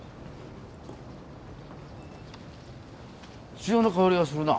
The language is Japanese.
潮の香りがするな。